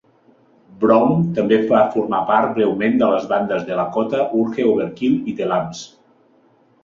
Browne també va formar part, breument, de les bandes Delakota, Urge Overkill i The Lams.